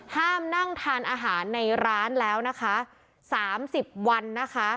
ห้ามนั่งทานอาหารในร้านแล้วนะคะสามสิบวันนะคะ